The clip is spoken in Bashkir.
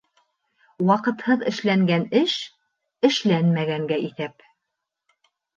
Ваҡытһыҙ эшләнгән эш эшләнмәгәнгә иҫәп.